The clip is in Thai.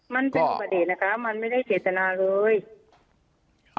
มันเป็นอุบัติเหตุนะคะมันไม่ได้เจตนาเลย